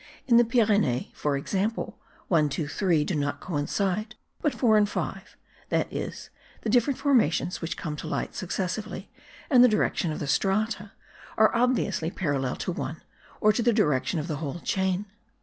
In the Pyrenees, for instance, 1, 2, 3, do not coincide, but 4 and 5 (that is, the different formations which come to light successively, and the direction of the strata) are obviously parallel to 1, or to the direction of the whole chain.